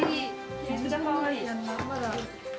めっちゃかわいい。